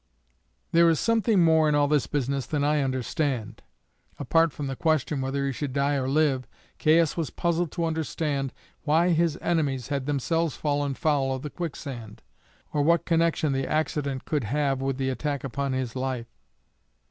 "There is something more in all this business than I understand." Apart from the question whether he should die or live, Caius was puzzled to understand why his enemies had themselves fallen foul of the quicksand, or what connection the accident could have with the attack upon his life.